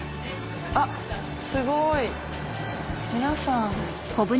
あっすごい皆さん。